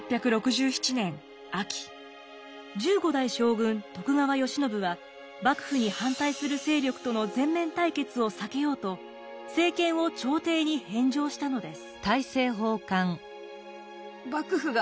１５代将軍徳川慶喜は幕府に反対する勢力との全面対決を避けようと政権を朝廷に返上したのです。